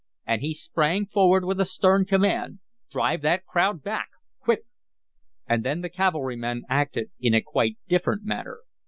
And he sprang forward with a stern command: "Drive that crowd back! Quick!" And then the cavalrymen acted in a quite different manner.